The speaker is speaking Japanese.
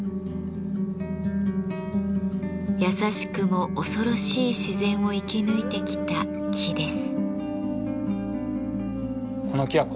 優しくも恐ろしい自然を生き抜いてきた木です。